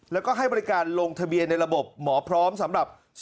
แล้วก็ให้บริการลงทะเบียนในระบบหมอพร้อมสำหรับ